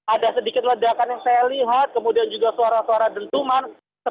ada sedikit ledakan yang saya lihat kemudian juga suara suara dentuman